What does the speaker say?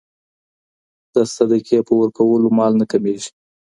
د صدقې په ورکولو مال نه کمیږي.